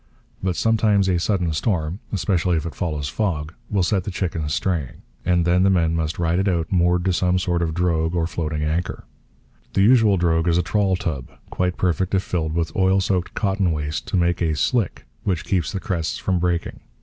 But sometimes a sudden storm, especially if it follows fog, will set the chickens straying; and then the men must ride it out moored to some sort of drogue or floating anchor. The usual drogue is a trawl tub, quite perfect if filled with oil soaked cotton waste to make a 'slick' which keeps the crests from breaking.